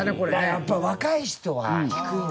やっぱ若い人は低いんですよ。